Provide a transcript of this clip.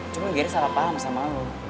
cuma gary salah paham sama lo